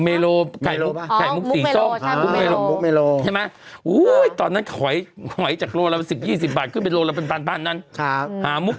เมล็็อไข่มุกเมล็อป่ะไข่มุก